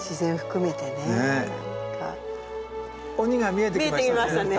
見えてきましたね。